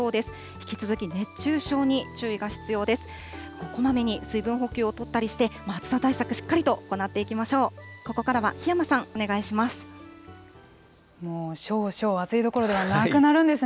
引き続き熱中症に注意が必要です。